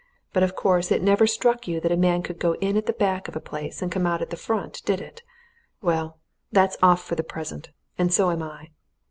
But, of course, it never struck you that a man could go in at the back of a place and come out at the front, did it? Well that's off for the present. And so am I."